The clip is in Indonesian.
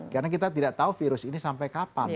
karena kita tidak tahu virus ini sampai kapan